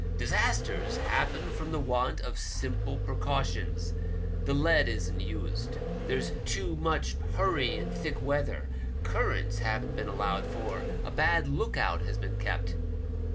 Disasters happen from the want of simple precautions ; the lead isn't used; there's been too much hurry in thick weather ; currents haven't been allowed for ; a bad look out has been kept.